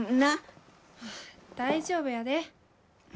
大丈夫やで。